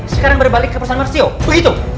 sekarang berbalik ke perusahaan marsio begitu